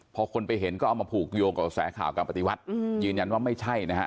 พอคนไปเห็นก็เอามาผูกโยงกับกระแสข่าวการปฏิวัติยืนยันว่าไม่ใช่นะฮะ